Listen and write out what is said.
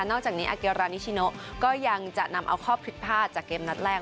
อกจากนี้อาเกรานิชิโนก็ยังจะนำเอาข้อผิดพลาดจากเกมนัดแรก